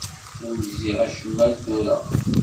Ur gziɣ acemma ar tura.